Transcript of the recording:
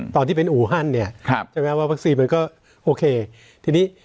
ตอนที่เป็นอูหันเนี่ย